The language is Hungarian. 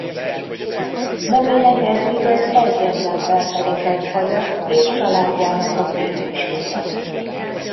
Nemének eddig az egyetlen felfedezett faja és családjának a típusfaja.